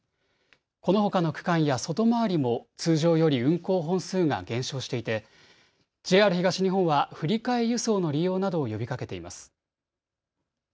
このほかの区間や外回りも通常より運行本数が減少していてＪＲ東日本は振り替え輸送の利用などを呼びかけています。